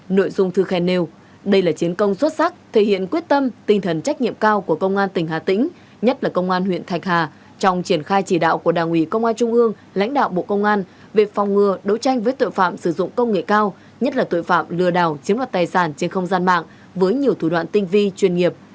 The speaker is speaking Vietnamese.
nội dung thư khen nêu đây là chiến công xuất sắc thể hiện quyết tâm tinh thần trách nhiệm cao của công an tỉnh hà tĩnh nhất là công an huyện thạch hà trong triển khai chỉ đạo của đảng ủy công an trung ương lãnh đạo bộ công an về phòng ngừa đấu tranh với tội phạm sử dụng công nghệ cao nhất là tội phạm lừa đảo chiếm đoạt tài sản trên không gian mạng với nhiều thủ đoạn tinh vi chuyên nghiệp